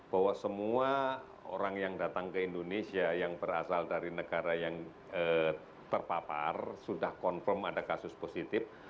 bahwa semua orang yang datang ke indonesia yang berasal dari negara yang terpapar sudah confirm ada kasus positif